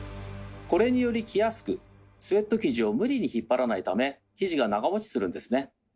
これにより着やすくスウェット生地を無理に引っ張らないため生地が長持ちするんですね。